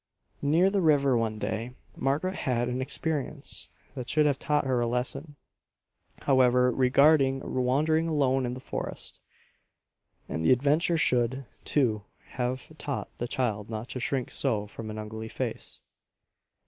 Near the river one day Margaret had an experience that should have taught her a lesson, however, regarding wandering alone in the forest. And the adventure should, too, have taught the child not to shrink so from an ugly face.